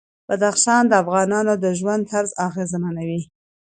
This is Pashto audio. بدخشان د افغانانو د ژوند طرز اغېزمنوي.